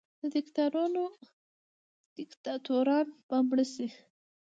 دیکتاتوران به مړه سي.